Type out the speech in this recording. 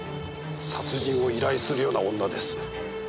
殺人を依頼するような女です。